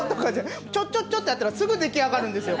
ちょっちょっちょっとやったらすぐ出来上がるんですよ。